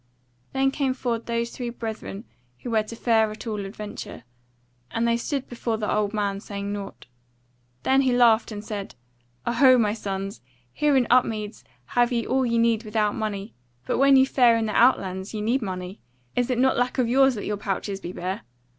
Then came forward those three brethren who were to fare at all adventure, and they stood before the old man saying nought. Then he laughed and said: "O ho, my sons! Here in Upmeads have ye all ye need without money, but when ye fare in the outlands ye need money; is it not a lack of yours that your pouches be bare?